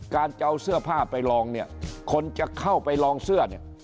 การจะเอาเสื้อผ้าไปลองเนี่ยคนจะเข้าไปลองเสื้อเนี่ย